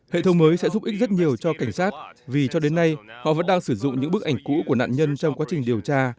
hệ thống mới sẽ giúp ích rất nhiều cho cảnh sát vì cho đến nay họ vẫn đang sử dụng những bức ảnh cũ của nạn nhân trong quá trình điều tra